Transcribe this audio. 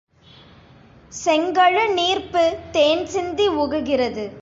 செங்கழு நீர்ப்பு தேன்சிந்தி உகுகிறது.